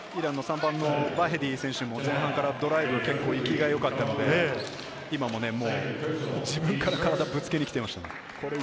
イランのバヘディ選手も前半からドライブ、活きが良かったので、自分から体をぶつけに来ていました。